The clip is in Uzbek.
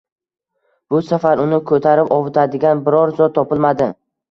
Bu safar uni ko’tarib ovutadigan biror zot topilmadi.